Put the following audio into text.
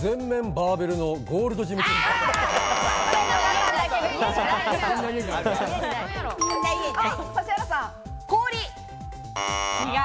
全面バーベルのゴールドジム氷。